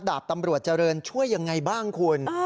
ดาบตำรวจเจริญช่วยยังไงบ้างคุณ